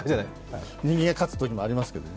人間が勝つときもありますけれども。